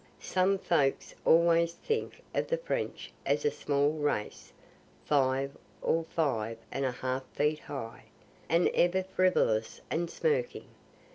Some folks always think of the French as a small race, five or five and a half feet high, and ever frivolous and smirking.